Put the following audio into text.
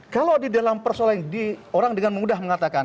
kalau di dalam persoalan ini orang dengan mudah mengatakan